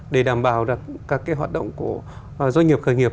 để đảm bảo rằng các cái hoạt động của doanh nghiệp khởi nghiệp